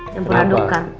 campur aduk kan